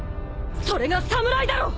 それが侍だろう！？